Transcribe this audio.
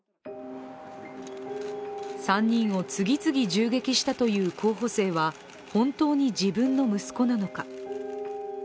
３人を次々銃撃したという候補生は本当に自分の息子なのか。